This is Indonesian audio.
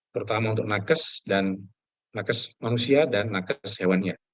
pertama untuk nakes manusia dan nakes hewanya